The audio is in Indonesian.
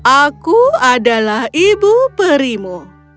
aku adalah ibu perimu